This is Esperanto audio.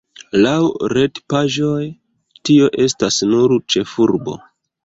Laŭ retpaĝoj, tio estas nur la ĉefurbo.